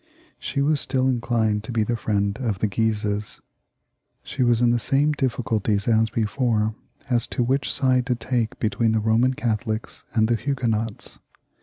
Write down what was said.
She was still inclined to be the friend of the Guises. She was in the same difficulties as before as to which side to take between the Roman Catholics and the Huguenots.